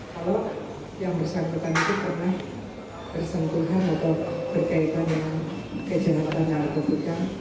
kalau yang bersangkutan itu pernah bersangkutan atau berkaitan dengan kejahatan narkotika